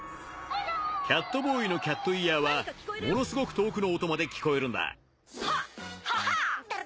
キャットボーイのキャット・イヤーはものすごく遠くの音まで聞こえるんだハッハハーッ！